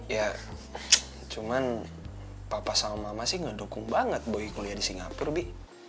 ya cuman papa sama mama sih ngedukung banget bagi kuliah di singapura bi